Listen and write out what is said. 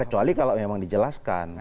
kecuali kalau memang dijelaskan